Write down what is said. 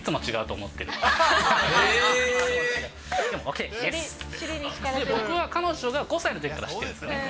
でも、ＯＫ、僕は彼女が５歳のときから知ってるんですよね。